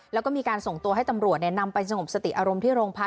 แล้วก็มีการส่งตัวให้ตำรวจนำไปสงบสติอารมณ์ที่โรงพัก